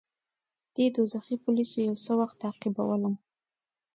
دې دوږخي پولیسو یو څه وخت تعقیبولم.